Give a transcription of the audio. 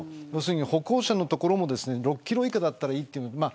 歩行者のところも６キロ以下だったらいいという。